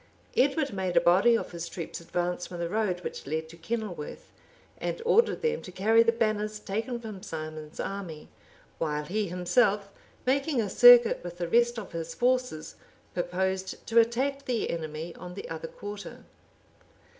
Edward made a body of his troops advance from the road which led to Kenilworth, and ordered them to carry the banners taken from Simon's army; while he himself, making a circuit with the rest of his forces, purposed to attack the enemy on the other quarter.